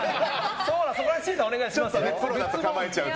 そこら辺、審査お願いしますよ。